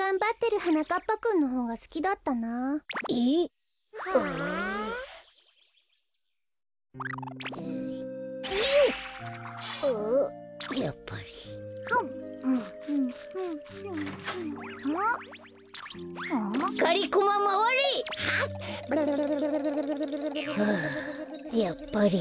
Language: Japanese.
はあやっぱり。